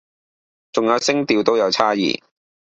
仲有聲調都有差異